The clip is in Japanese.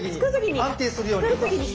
安定するようにとか。